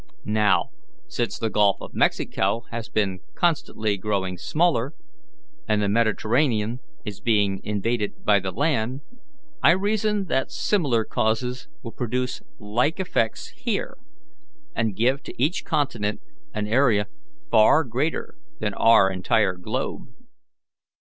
Now, since the Gulf of Mexico has been constantly growing smaller, and the Mediterranean is being invaded by the land, I reason that similar causes will produce like effects here, and give to each continent an area far greater than our entire globe.